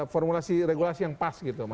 formulasi regulasi yang pas gitu